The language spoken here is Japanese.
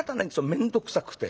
面倒くさくて。